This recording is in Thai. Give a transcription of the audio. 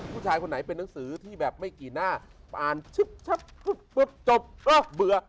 ผู้ชายคนไหนเป็นหนังสือที่แบบไม่กี่หน้าอ่านชึบจบก็เบื่อ